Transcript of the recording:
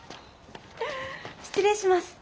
失礼します。